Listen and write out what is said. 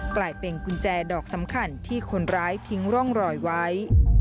กลายเป็นกุญแจดอกสำคัญที่คนร้ายทิ้งร่องรอยไว้